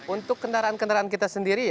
untuk kendaraan kendaraan kita sendiri